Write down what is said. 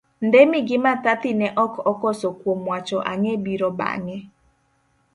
Ndemi gi Mathathi ne ok okoso kuom wacho ang'e biro bange.